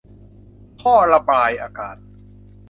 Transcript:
ท่อระบายอากาศ